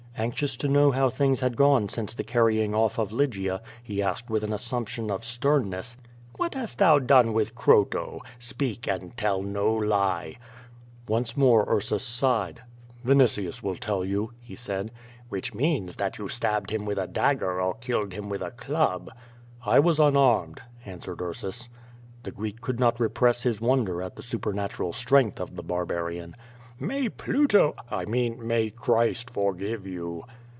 Anxious to know how things had gone since the carrying off of Lygia, he asked with an assumption of sternness: "What hast thou done with Croto? Speak, and tell no lie." Once more Ursus sighed. "Vinitius will tell you," he said. "Which means that you stabbed him with a dagger or killed him with a club." "1 was unarmed," answered Ursus. The Greek could not repress his wonder at the sui>ernatural strength of the barbarian. "^lay Pluto — I mean, may Christ forgive you."